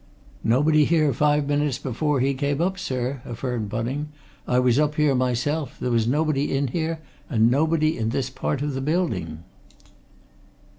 "Nobody here five minutes before he came up, sir," affirmed Bunning. "I was up here myself. There was nobody in here, and nobody in this part of the building."